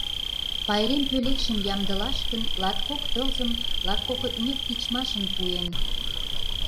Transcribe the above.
Пайрем пӧлекшым ямдылаш гын латкок тылзым латкокытнек тичмашын пуэн.